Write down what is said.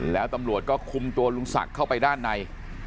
แล้วตำรวจก็คุมตัวลุงศักดิ์เข้าไปด้านใน